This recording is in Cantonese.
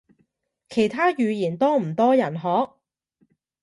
其他語言多唔多人學？